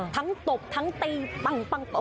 ทั้งตบทั้งตีปังโอ้โห